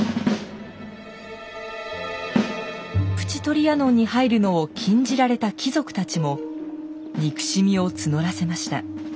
プチ・トリアノンに入るのを禁じられた貴族たちも憎しみを募らせました。